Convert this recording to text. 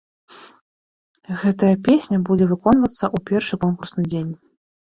Гэтая песня будзе выконвацца ў першы конкурсны дзень.